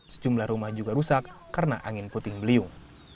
sejumlah rumah juga rusak karena angin puting beliung